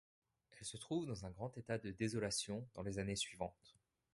Elle se trouve dans un grand état de désolation dans les années suivantes.